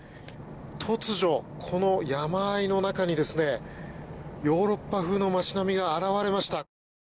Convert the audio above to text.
突如、この山あいの中にヨーロッパ風の街並みが現れました。